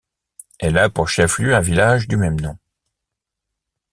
Elle a pour chef-lieu un village du même nom.